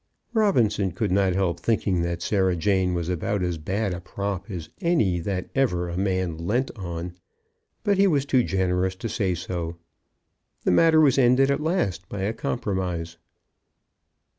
Robinson could not help thinking that Sarah Jane was about as bad a prop as any that ever a man leant on; but he was too generous to say so. The matter was ended at last by a compromise.